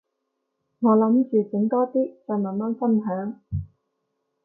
我諗住整多啲，再慢慢分享